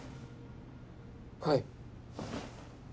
はい。